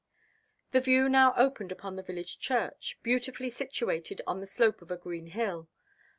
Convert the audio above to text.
The view now opened upon the village church, beautifully situated on the slope of a green hill.